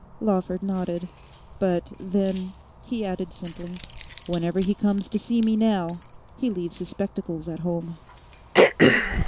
Lawford nodded. 'But then,' he added simply, 'whenever he comes to see me now he leaves his spectacles at home.